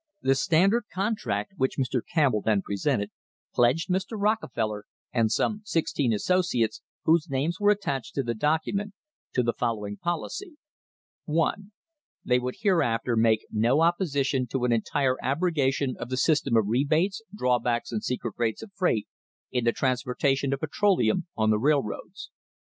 The Standard contract, which Mr. Campbell then presented, pledged Mr. Rockefeller, and some sixteen associates, whose names were attached to the document, to the following policy: 1. They would hereafter make no opposition to an entire abrogation of the system of rebates, drawbacks and secret rates of freight in the transportation of petroleum on the railroads.